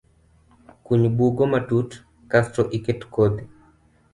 Kuny bugo matut kasto iket kodhi